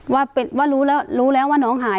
ว่ารู้แล้วว่าน้องหาย